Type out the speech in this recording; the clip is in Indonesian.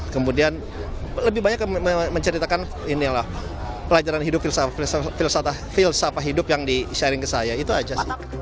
kemudian lebih banyak menceritakan inilah pelajaran hidup filsafah hidup yang di sharing ke saya itu aja sih